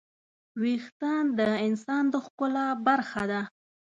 وېښتيان د انسان د ښکلا برخه ده.